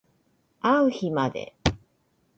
あう日まで